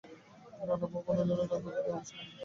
নানান ভুবনের, নানা প্রজন্মের মানুষ শামিল হয়েছিলেন এখানে।